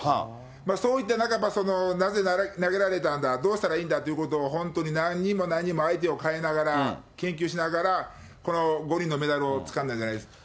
そういった中で、なぜ投げられたんだ、どうしたらいいんだということを、本当に何人も何人も相手を代えながら、研究しながら、この五輪のメダルをつかんだんじゃないですかね。